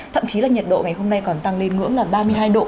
thậm chí là nhiệt độ ngày hôm nay còn tăng lên ngưỡng là ba mươi hai độ